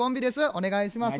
お願いします。